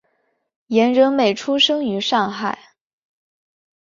严仁美出生于上海。